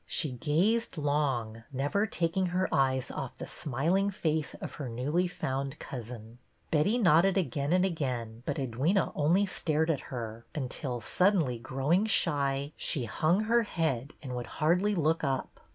She gazed long, never taking her eyes off the smiling face of her newly found cousin. Betty nodded again and again, but Edwyna only stared at her, until, suddenly growing shy, she hung her head, and would hardly look up.